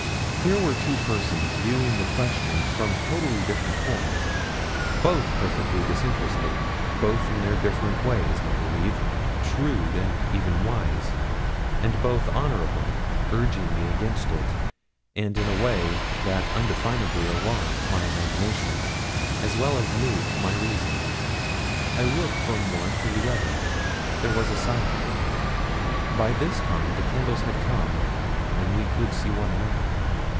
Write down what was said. Here were two persons viewing the question from totally different points; both perfectly disinterested; both in their different ways, I believe, shrewd and even wise; and both honourable, urging me against it, and in a way that undefinably alarmed my imagination, as well as moved my reason. I looked from one to the other there was a silence. By this time the candles had come, and we could see one another.